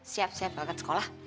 siap siap ragat sekolah